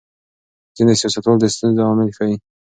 ځینې سیاستوال د ستونزو عامل ښيي.